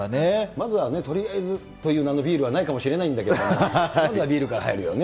まずはとりあえずはね、という名のビールはないかもしれないんだけれども、まずはビールから入るよね。